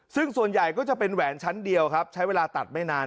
ซึ่งส่วนใหญ่ก็จะเป็นแหวนชั้นเดียวครับใช้เวลาตัดไม่นาน